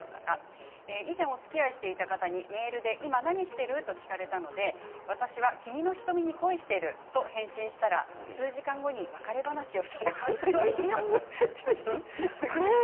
以前おつきあいしていた方にメールで何をしてる？と聞かれたので私は君の瞳に恋してると返信したら数時間後に別れ話をされたということです。